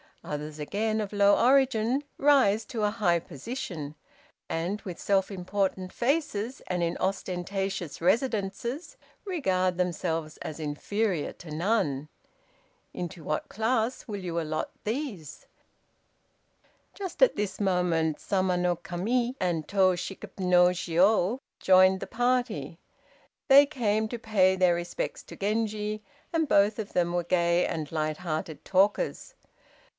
Others, again, of low origin, rise to a high position, and, with self important faces and in ostentatious residences, regard themselves as inferior to none. Into what class will you allot these?" Just at this moment the Sama no Kami and Tô Shikib no Jiô joined the party. They came to pay their respects to Genji, and both of them were gay and light hearted talkers.